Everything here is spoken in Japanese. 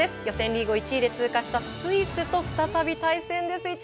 予選リーグを１位で通過したスイスと再び対戦です。